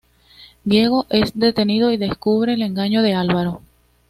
Diego es detenido y descubre el engaño de Álvaro.